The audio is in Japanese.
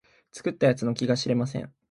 作った奴の気が知れません